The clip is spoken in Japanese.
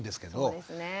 そうですねえ。